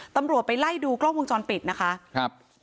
ตำรวจไปไล่ดูกล้องวงจรปิดนะคะครับ